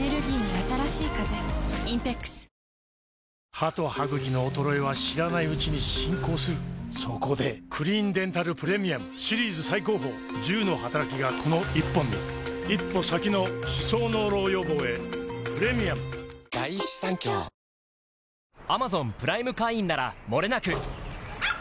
歯と歯ぐきの衰えは知らないうちに進行するそこで「クリーンデンタルプレミアム」シリーズ最高峰１０のはたらきがこの１本に一歩先の歯槽膿漏予防へプレミアム吾輩は栄養であるご主人は吾輩を心の栄養という